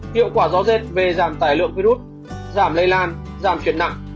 hiệu quả rõ rệt về giảm tài lượng virus giảm lây lan giảm phiền nặng